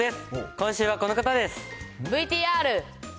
今週はこの方です。